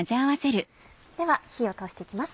では火を通して行きます。